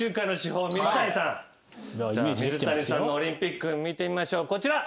水谷さんの「オリンピック」見てみましょうこちら。